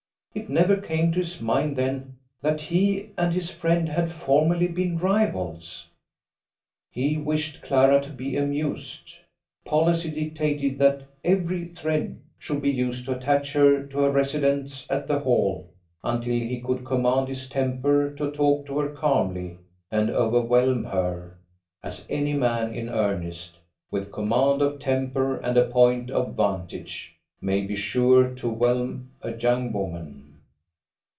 It never came to his mind then that he and his friend had formerly been rivals. He wished Clara to be amused. Policy dictated that every thread should be used to attach her to her residence at the Hall until he could command his temper to talk to her calmly and overwhelm her, as any man in earnest, with command of temper and a point of vantage, may be sure to whelm a young woman.